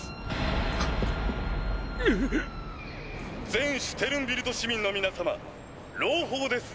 「全シュテルンビルト市民の皆様朗報です！